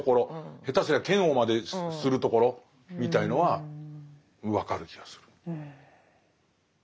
下手すりゃ嫌悪までするところみたいのは分かる気がする。